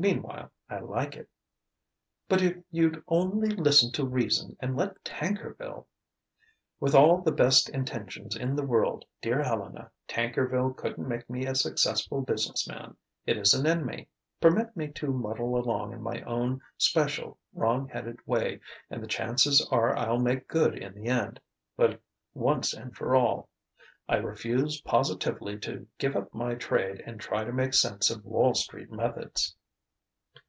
Meanwhile, I like it." "But if you'd only listen to reason and let Tankerville " "With all the best intentions in the world, dear Helena, Tankerville couldn't make me a successful business man. It isn't in me. Permit me to muddle along in my own, 'special, wrong headed way, and the chances are I'll make good in the end. But, once and for all, I refuse positively to give up my trade and try to make sense of Wall Street methods."